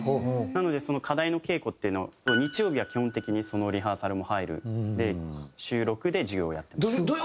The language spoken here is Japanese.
なので課題の稽古っていうのを日曜日は基本的にリハーサルも入るので週６で授業をやってます。